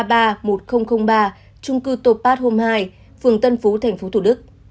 trung cư tô pát hôm hai phường tân phú tp thủ đức